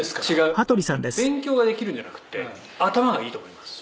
あのね勉強ができるんじゃなくて頭がいいと思います」